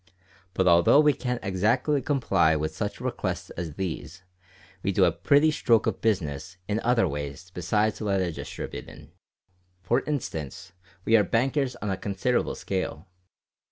But although we can't exactly comply with such requests as these, we do a pretty stroke of business in other ways besides letter distributin'. For instance, we are bankers on a considerable scale.